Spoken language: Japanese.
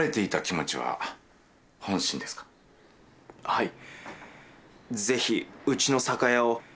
はい。